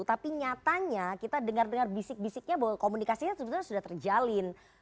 tapi nyatanya kita dengar dengar bisik bisiknya bahwa komunikasinya sebetulnya sudah terjalin